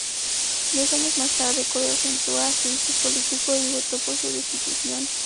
Dos años más tarde Collor enfrentó un juicio político y votó por su destitución.